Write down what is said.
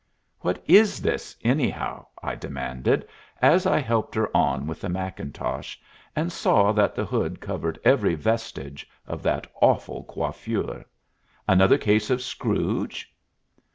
"What is this anyhow?" I demanded, as I helped her on with the mackintosh and saw that the hood covered every vestige of that awful coiffure. "Another case of Scrooge?"